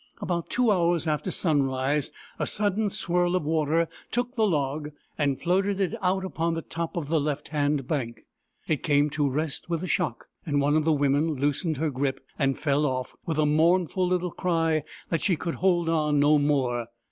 About two hours after sunrise a sudden swirl of water took the log and floated it out upon the top of the left hand bank. It came to rest \\'ith a shock, and one of the women loosened her grip and fell off, with a mournful little cry that she could hold on no more.